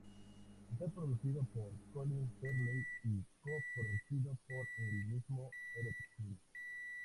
Está producido por Colin Farley y co-producido por el mismo Erentxun.